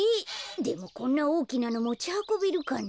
でもこんなおおきなのもちはこべるかな？